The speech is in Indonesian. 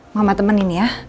mama temenin ya